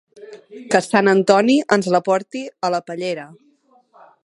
Que sant Antoni ens la porti a la pallera.